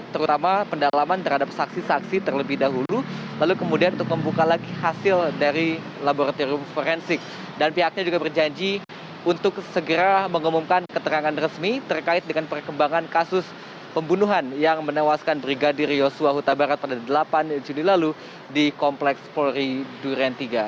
terutama pendalaman terhadap saksi saksi terlebih dahulu lalu kemudian untuk membuka lagi hasil dari laboratorium forensik dan pihaknya juga berjanji untuk segera mengumumkan keterangan resmi terkait dengan perkembangan kasus pembunuhan yang menewaskan brigadi riosuahutabarat pada delapan juni lalu di kompleks polri durantiga